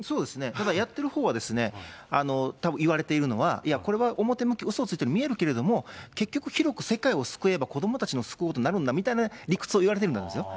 ただやってるほうは、たぶん言われているのは、いや、これは表向き、うそをついているように見えるけれども、結局広く世界を救えば、子どもたちも救うことになるんだみたいな理屈を言われてるんだと思うんですよ。